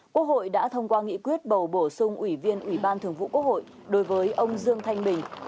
quốc hội đã thông qua nghị quyết bầu bổ sung ủy viên ủy ban thường vụ quốc hội đối với ông dương thanh bình